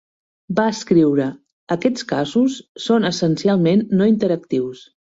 Va escriure: "Aquests casos són essencialment no interactius".